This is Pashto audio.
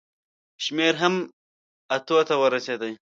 شمېر هم اتو ته ورسېدی.